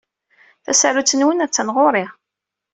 Tasarut-nwen attan ɣur-i.